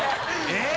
えっ？